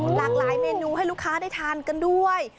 หลากหลายเมนูให้ลูกค้าได้ทานกันด้วย